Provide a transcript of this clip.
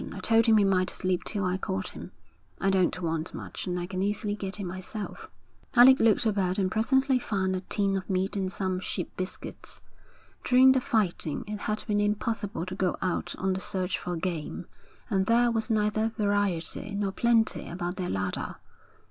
I told him he might sleep till I called him. I don't want much, and I can easily get it myself.' Alec looked about and presently found a tin of meat and some ship biscuits. During the fighting it had been impossible to go out on the search for game, and there was neither variety nor plenty about their larder.